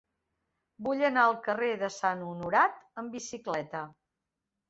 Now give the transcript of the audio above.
Vull anar al carrer de Sant Honorat amb bicicleta.